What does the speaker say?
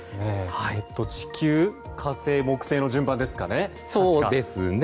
地球、火星、木星の順番ですかね、確か。